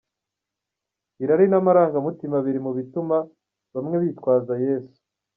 Irari n’amarangamutima biri mu bituma bamwe bitwaza Yesu.